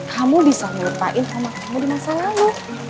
kamu bisa melupain sama kamu di masa lalu